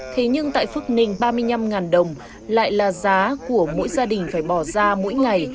thế nhưng tại phước ninh ba mươi năm đồng lại là giá của mỗi gia đình phải bỏ ra mỗi ngày